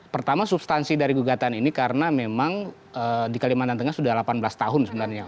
pertama substansi dari gugatan ini karena memang di kalimantan tengah sudah delapan belas tahun sebenarnya